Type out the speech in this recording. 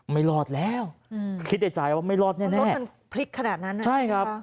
ไม่รอดแล้วอืมคิดในใจว่าไม่รอดแน่แน่มันพลิกขนาดนั้นอ่ะใช่ครับ